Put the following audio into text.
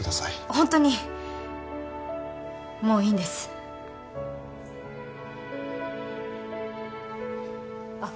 ホントにもういいんですあっ